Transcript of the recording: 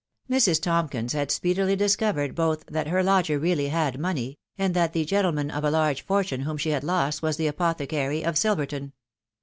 Mrs. Tompkins had speedily ^discovered both ihat her lodger really 'had money, and that the gentleman *)f large fortune whom she had lost was the apothecary of f&lverton.